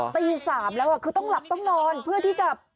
ตี๓แล้วคือต้องหลับต้องนอนเพื่อที่จะ